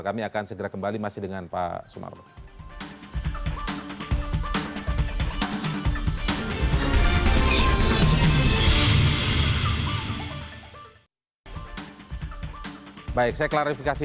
kami akan segera kembali masih dengan pak sumarno